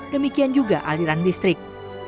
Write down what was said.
demikian juga aliran listrik